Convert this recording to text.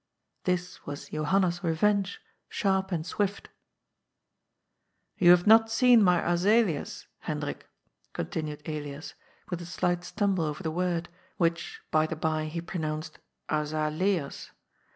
This was Johanna's revenge, sharp and swift *' You have not seen my azaleas, Hendrik," continued Elias, with a slight stumble over the word, which, by the bye, he pronounced ^* azaleas."